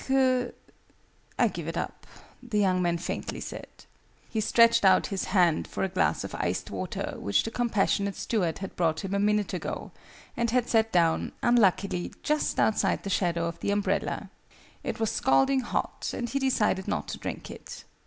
"K I give it up!" the young man faintly said. He stretched out his hand for a glass of iced water which the compassionate steward had brought him a minute ago, and had set down, unluckily, just outside the shadow of the umbrella. It was scalding hot, and he decided not to drink it.